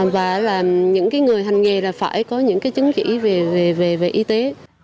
và những người hành nghề phải có những chứng chỉ về y tế